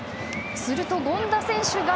すると、権田選手が。